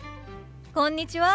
こんにちは。